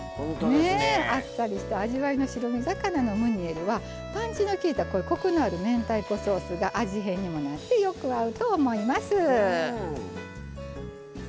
あっさりした味わいの白身魚のムニエルはパンチのきいた、コクのある明太子ソースが味変にもなってよく合うと思います。